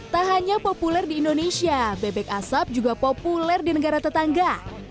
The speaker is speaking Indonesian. tak hanya populer di indonesia bebek asap juga populer di negara tetangga